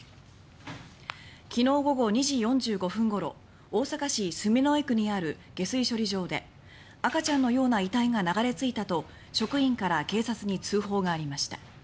きのう午後２時４５分ごろ大阪市住之江区にある下水処理場で「赤ちゃんのような遺体が流れ着いた」と職員から警察に通報がありました。